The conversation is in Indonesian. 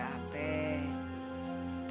udah gak capek